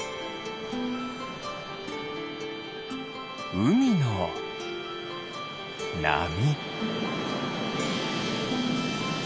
うみのなみ。